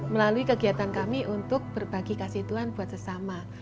melalui kegiatan kami untuk berbagi kasih tuhan buat sesama